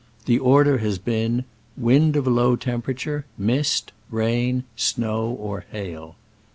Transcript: The order has been, wind of a low temperature, mist, rain, snow or hail.